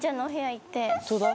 どうだ？